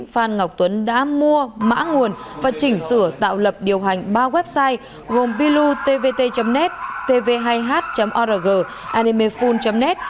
phan ngọc tuấn đã mua mã nguồn và chỉnh sửa tạo lập điều hành ba website gồm bilu tvt net tv hai h org animefull net